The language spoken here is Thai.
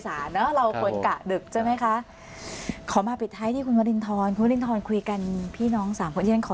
นั่งดื่มกาแฟตอนกี่ทุ่มกันนะคะ